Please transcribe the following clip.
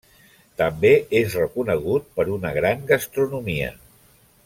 També és reconegut per una gran gastronomia.